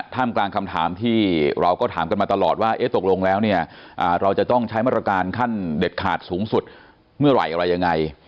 ท่ามกลางคำถามที่เราก็ถามกันมาตลอดว่าตกลงแล้วเนี่ยเราจะต้องใช้มาตรการขั้นเด็ดขาดสูงสุดเมื่อไหร่อะไรยังไง